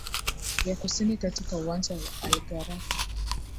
ya kusini katika uwanja wa al gharafa